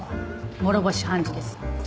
諸星判事です。